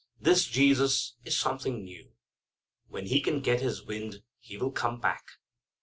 This Jesus is something new. When he can get his wind he will come back.